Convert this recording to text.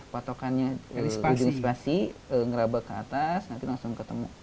patokannya di spasi ngerabah ke atas nanti langsung ketemu